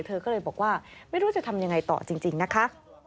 เธอก็เลยบอกว่าไม่รู้จะทำยังไงต่อจริงนะคะ